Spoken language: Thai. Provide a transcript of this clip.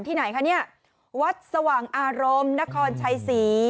ไหนคะเนี่ยวัดสว่างอารมณ์นครชัยศรี